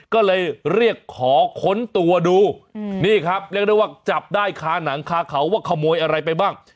ก็เลยเรียกขอค้นตัวดูนี่ครับเรียกได้ว่าจับได้คาหนังคาเขาว่าขโมยอะไรไปบ้าง